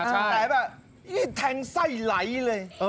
แต่แบบแทงไส้ไหลเลย